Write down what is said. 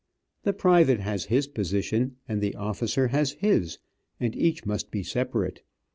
The private has his position and the officer has his, and each must be separate.